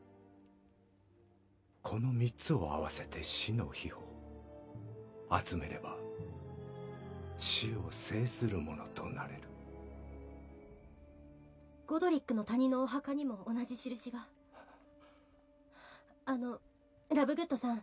この３つを合わせて死の秘宝集めれば死を制する者となれるゴドリックの谷のお墓にも同じ印があのラブグッドさん